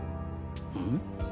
うん？